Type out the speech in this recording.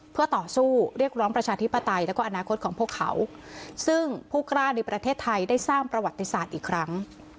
เพื่อต่อสู้เรียกร้องประชาธิปไตยแล้วก็อนาคตของพวกเขาซึ่งผู้กล้าในประเทศไทยได้สร้างประวัติศาสตร์อีกครั้ง